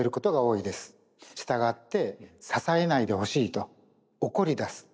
従って「支えないでほしい」と怒りだす。